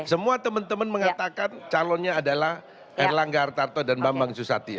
semua temen temen mengatakan calonnya adalah erlangga artarto dan bambang susatyo